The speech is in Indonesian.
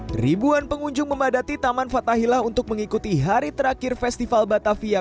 hai ribuan pengunjung memadati taman fathahillah untuk mengikuti hari terakhir festival batavia